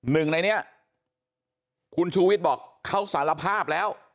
หนึ่งในนี้คุณชูวิทย์บอกเขาสารภาพแล้ว